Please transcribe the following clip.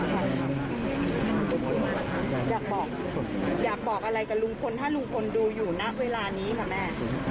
อยากบอกอยากบอกอะไรกับลุงพลถ้าลุงพลดูอยู่ณเวลานี้ค่ะแม่